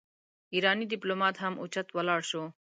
ايرانی ډيپلومات هم اوچت ولاړ شو.